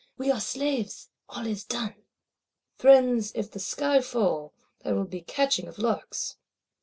We are slaves, all is done.'" Friends, if the sky fall, there will be catching of larks!